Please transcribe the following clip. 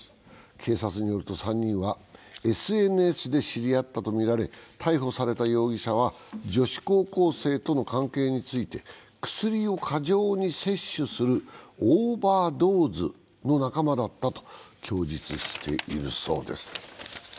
警察によると３人はＳＮＳで知り合ったとみられ逮捕された容疑者は、女子高校生との関係について薬を過剰に摂取するオーバードーズの仲間だったと供述しているそうです。